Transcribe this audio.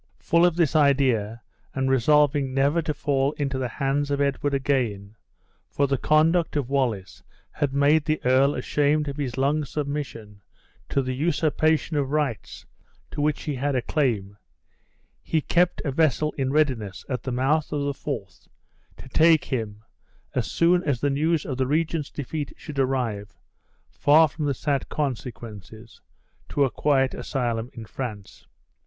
Full of this idea, and resolving never to fall into the hands of Edward again (for the conduct of Wallace had made the earl ashamed of his long submission to the usurpation of rights to which he had a claim), he kept a vessel in readiness at the mouth of the Forth, to take him, as soon as the news of the regent's defeat should arrive, far from the sad consequences, to a quiet asylum in France.